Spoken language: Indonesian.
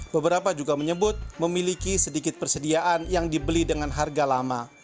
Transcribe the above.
beberapa juga menyebut memiliki sedikit persediaan yang dibeli dengan harga lama